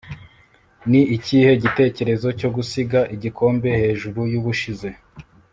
ni ikihe gitekerezo cyo gusiga igikombe hejuru yubushize